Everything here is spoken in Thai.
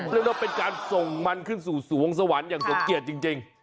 เรียกว่าเป็นการส่งมันขึ้นสู่สวงสวรรค์อย่างสมเกียจจริง